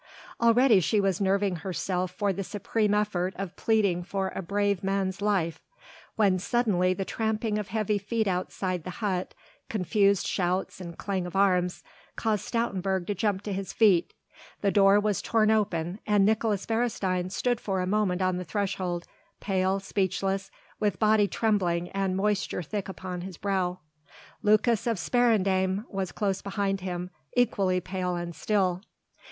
Already she was nerving herself for the supreme effort of pleading for a brave man's life when suddenly the tramping of heavy feet outside the hut, confused shouts and clang of arms, caused Stoutenburg to jump to his feet. The door was torn open, and Nicolaes Beresteyn stood for a moment on the threshold, pale, speechless, with body trembling and moisture thick upon his brow. Lucas of Sparendam was close behind him equally pale and still.